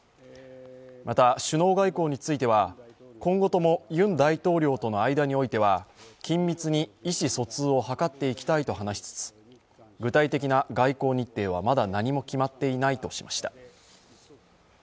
また、首脳外交については、今後ともユン大統領との間については緊密に意思疎通を図っていきたいと話しつつ具体的な外交日程はまだ何も決まっていないとしました。